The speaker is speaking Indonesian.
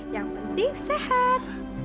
yang penting sehat